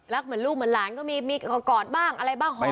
รักเหมือนลูกเหมือนหลานก็มีกอดบ้างอะไรบ้างหอมบ้าง